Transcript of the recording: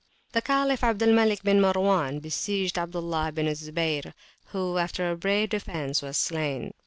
The Caliph Abd al Malik bin Marwan besieged Abdullah bin Zubayr, who, after a brave defence, was slain.